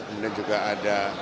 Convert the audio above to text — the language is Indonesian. kemudian juga ada